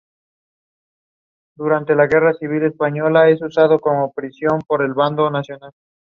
Su clima es predominantemente seco con lluvias de mayo a octubre.